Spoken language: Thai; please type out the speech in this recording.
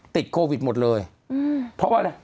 ติดโควิดหมดเลยเพราะว่าอะไร